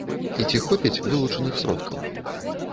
І ці хопіць вылучаных сродкаў?